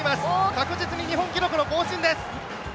確実に日本記録の更新です。